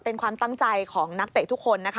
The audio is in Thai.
เป็นความตั้งใจของนักเตะทุกคนนะคะ